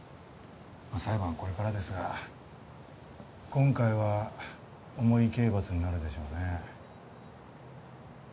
裁判はこれからですが今回は重い刑罰になるでしょうね。